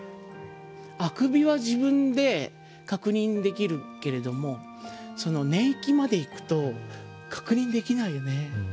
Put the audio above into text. あくびは自分で確認できるけれども寝息までいくと確認できないよね。